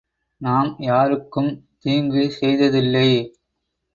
நாம் யாருக்கும் தீங்கு செய்ததில்லை!